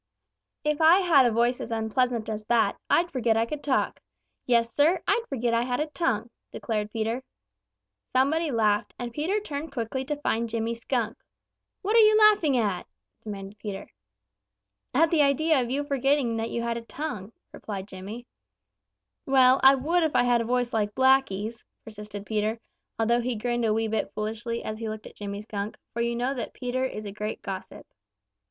"If I had a voice as unpleasant as that, I'd forget I could talk. Yes, Sir, I'd forget I had a tongue," declared Peter. Somebody laughed, and Peter turned quickly to find Jimmy Skunk. "What are you laughing at?" demanded Peter. "At the idea of you forgetting that you had a tongue," replied Jimmy. "Well, I would if I had a voice like Blacky's," persisted Peter, although he grinned a wee bit foolishly as he looked at Jimmy Skunk, for you know Peter is a great gossip.